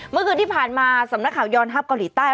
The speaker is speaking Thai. เมื่อคืนที่ผ่านมาสำนักข่าวยอนฮัพเกาหลีใต้